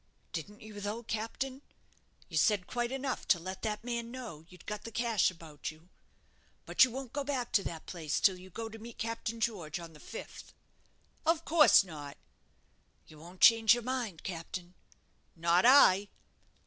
"Didn't you though, captain? You said quite enough to let that man know you'd got the cash about you. But you won't go back to that place till you go to meet Captain George on the fifth?" "Of course not." "You won't change your mind, captain?" "Not I."